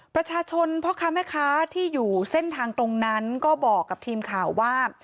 ประชาชนพ่อค้าแม่ค้าที่อยู่เส้นทางตรงนั้นก็บอกกับทีมข่าวว่า